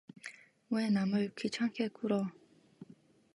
왜 남을 귀찮게 굴어!